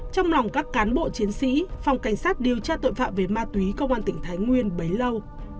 trong lòng các cán bộ chiến sĩ phòng cảnh sát điều tra tội phạm về ma túy công an tỉnh thái nguyên bấy lâu